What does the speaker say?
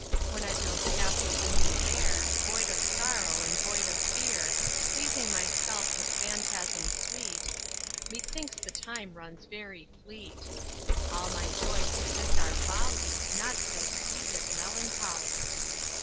When I build castles in the air, Void of sorrow and void of fear, Pleasing myself with phantasms sweet, Methinks the time runs very fleet. All my joys to this are folly, Naught so sweet as melancholy.